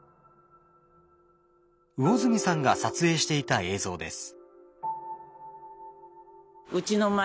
魚住さんが撮影していた映像です。